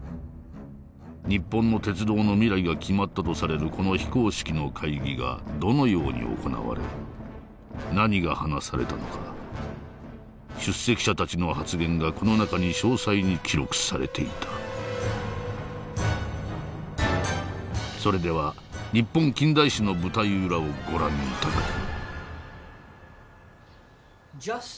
日本の鉄道の未来が決まったとされるこの非公式の会議がどのように行われ何が話されたのか出席者たちの発言がこの中に詳細に記録されていたそれでは日本近代史の舞台裏をご覧頂こう